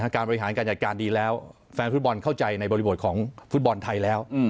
การบริหารการจัดการดีแล้วแฟนฟุตบอลเข้าใจในบริบทของฟุตบอลไทยแล้ว